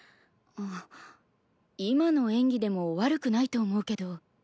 あっ今の演技でも悪くないと思うけど。